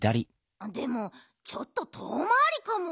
でもちょっととおまわりかも。